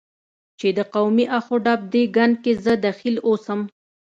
چې د قومي اخ و ډب دې ګند کې زه دخیل اوسم،